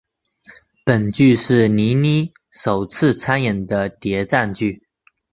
本剧是闫妮首次参演的谍战剧。